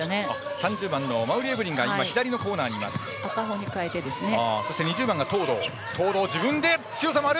３０番の馬瓜エブリンが左のコーナーにいる。